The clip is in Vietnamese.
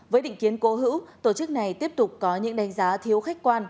với định kiến cố hữu tổ chức này tiếp tục có những đánh giá thiếu khách quan